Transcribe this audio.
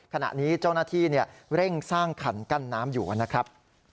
ขณะนี้เจ้าหน้าที่เร่งสร้างขันกั้นน้ำอยู่นะครับ